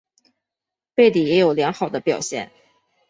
贝里也有良好的表现。